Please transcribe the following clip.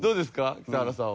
北原さんは。